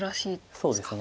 そうですね。